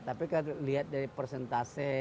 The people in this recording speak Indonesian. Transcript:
tapi lihat dari persentase